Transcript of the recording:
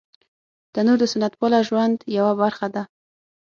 تنور د سنت پاله ژوند یوه برخه ده